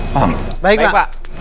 paham baik pak